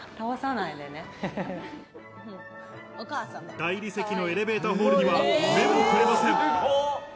大理石のエレベーターホールには目もくれません。